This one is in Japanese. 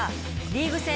リーグ戦